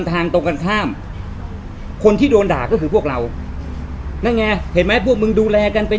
ตรงกันข้ามคนที่โดนด่าก็คือพวกเรานั่นไงเห็นไหมพวกมึงดูแลกันเป็น